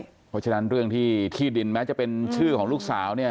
เพราะฉะนั้นเรื่องที่ที่ดินแม้จะเป็นชื่อของลูกสาวเนี่ย